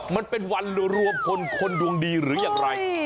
มันเป็นวันรวมพลคนดวงดีหรืออย่างไร